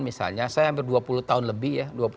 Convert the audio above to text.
misalnya saya hampir dua puluh tahun lebih ya